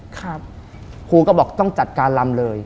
ครูก็บอกต้องจัดการลำเลย